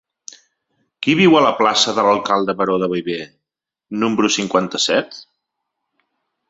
Qui viu a la plaça de l'Alcalde Baró de Viver número cinquanta-set?